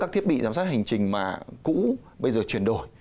các thiết bị giám sát hành trình mà cũ bây giờ chuyển đổi